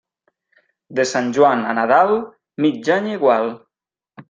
De Sant Joan a Nadal, mig any igual.